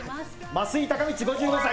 増井孝充、５５歳。